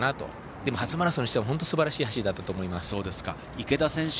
でも、初マラソンにしては本当にすばらしい走りだったと思います。